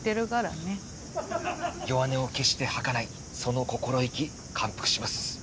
弱音を決して吐かないその心意気感服します。